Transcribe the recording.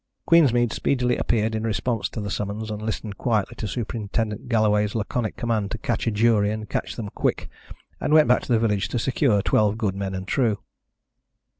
Queensmead speedily appeared in response to the summons, listened quietly to Superintendent Galloway's laconic command to catch a jury and catch them quick, and went back to the village to secure twelve good men and true.